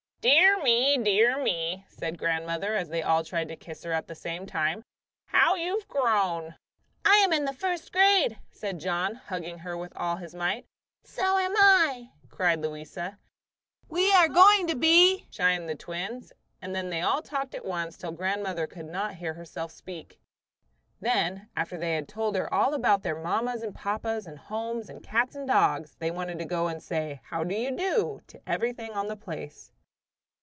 "Dear me, dear me!" said grandmother, as they all tried to kiss her at the same time, "how you have grown." "I am in the first grade," said John, hugging her with all his might. "So am I," cried Louisa. "We are going to be," chimed in the twins; and then they all talked at once, till grandmother could not hear herself speak. Then, after they had told her all about their mammas and papas, and homes, and cats and dogs, they wanted to go and say "how do you do" to everything on the place.